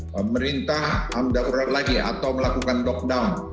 pemerintah amdaulat lagi atau melakukan lockdown